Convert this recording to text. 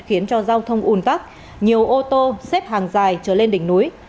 khiến cho giao thông ùn vắc nhiều ô tô xếp hàng dài trở lên đỉnh núi